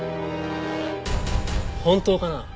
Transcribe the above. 本当かな？